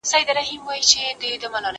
زه به سبا نان وخورم